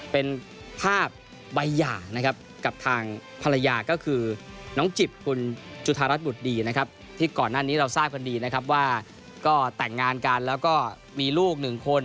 เป็นภาพใบหย่านะครับกับทางภรรยาก็คือน้องจิบคุณจุธารัฐบุตรดีนะครับที่ก่อนหน้านี้เราทราบกันดีนะครับว่าก็แต่งงานกันแล้วก็มีลูกหนึ่งคน